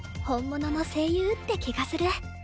本物の声優って気がする。